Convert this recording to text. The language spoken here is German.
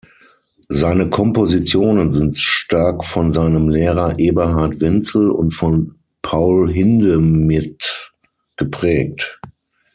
Seine Kompositionen sind stark von seinem Lehrer Eberhard Wenzel und von Paul Hindemith geprägt.